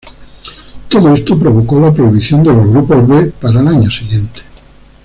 Todo esto provocó la prohibición de los grupo B para el año siguiente.